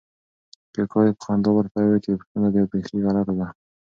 کاکا یې په خندا ورته وویل چې پوښتنه دې بیخي غلطه ده.